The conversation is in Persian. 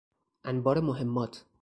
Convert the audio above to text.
انبار مهمات